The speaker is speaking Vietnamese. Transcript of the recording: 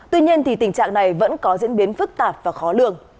tuy nhiên tình trạng này vẫn có diễn biến phức tạp và khó lường